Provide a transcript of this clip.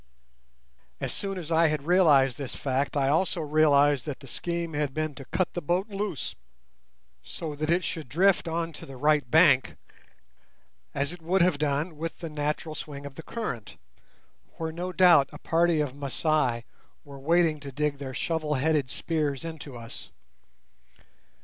As soon as I had realised this fact, I also realised that the scheme had been to cut the boat loose so that it should drift on to the right bank (as it would have done with the natural swing of the current), where no doubt a party of Masai were waiting to dig their shovel headed spears into us.